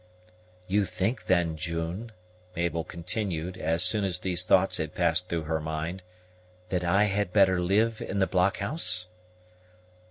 "You think, then, June," Mabel continued, as soon as these thoughts had passed through her mind, "that I had better live in the blockhouse?"